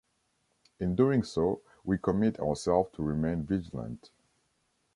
In doing so we commit ourselves to remain vigilant.